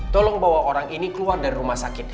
tolong bawa orang ini keluar dari rumah sakit